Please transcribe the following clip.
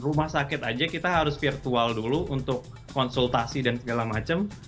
rumah sakit aja kita harus virtual dulu untuk konsultasi dan segala macam